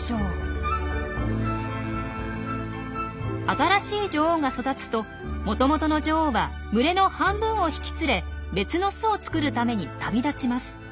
新しい女王が育つともともとの女王は群れの半分を引き連れ別の巣を作るために旅立ちます。